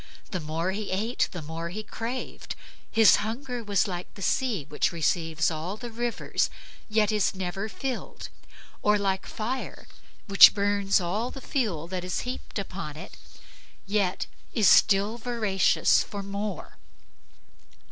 The more he ate the more he craved. His hunger was like the sea, which receives all the rivers, yet is never filled; or like fire, that burns all the fuel that is heaped upon it, yet is still voracious for more.